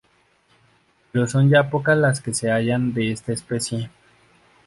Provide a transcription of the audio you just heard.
Pero son ya pocas las que se hallan de esta especie.